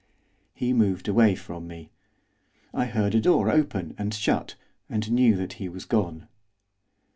He moved away from me. I heard a door open and shut, and knew that he was gone.